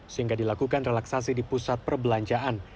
sehingga dilakukan relaksasi di pusat perbelanjaan